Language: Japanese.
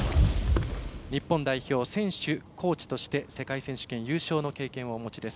日本代表、選手・コーチとして世界選手権優勝の経験をお持ちです。